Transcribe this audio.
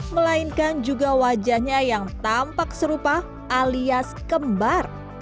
melainkan juga wajahnya yang tampak serupa alias kembar